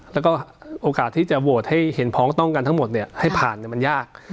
แล้วก็โอกาสที่จะโหวตให้เห็นพ้องต้องกันทั้งหมดให้ผ่านมันยาก